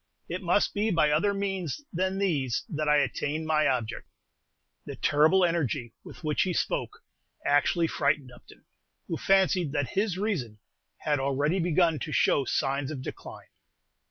It must be by other means than these that I attain my object!" The terrible energy with which he spoke actually frightened Upton, who fancied that his reason had already begun to show signs of decline.